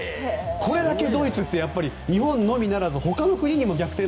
これだけドイツって日本のみならずほかの国にも逆転